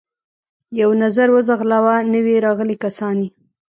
یو نظر و ځغلاوه، نوي راغلي کسان یې.